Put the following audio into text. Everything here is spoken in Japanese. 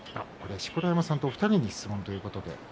錣山さんとお二人２人に質問ということですね。